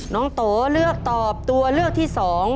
น้องโตเลือกตอบตัวเลือกที่๒